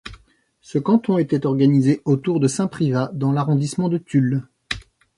Ce canton était organisé autour de Saint-Privat dans l'arrondissement de Tulle.